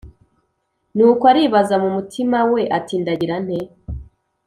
nuko aribaza mu mutima we ati “Ndagira nte”.